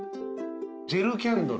ジェルキャンドル。